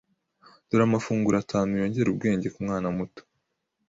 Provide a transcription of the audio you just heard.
Dore amafunguro atanu yongera ubwenge ku mwana muto